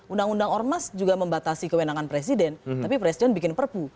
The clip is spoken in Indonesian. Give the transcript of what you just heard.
undang undang ormas juga membatasi kewenangan presiden tapi presiden bikin perpu